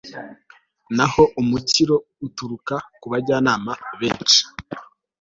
naho umukiro uturuka ku bajyanama benshi